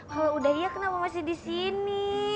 kalau udah iya kenapa masih disini